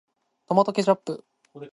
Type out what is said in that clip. トマトケチャップ